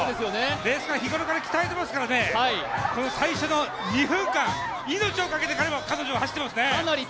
ですから日頃から鍛えていますから最初の２分間、命をかけて彼女は走ってますね。